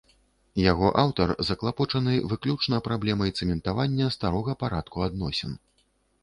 Яго аўтар заклапочаны выключна праблемай цэментавання старога парадку адносін.